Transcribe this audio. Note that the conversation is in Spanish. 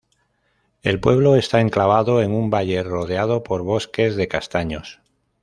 El pueblo está enclavado en un valle rodeado por bosques de castaños.